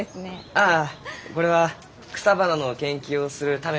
ああこれは草花の研究をするための大事な標本ですき。